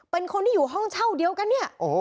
เป็นคนที่อยู่ห้องเช่าเดียวกันเนี่ย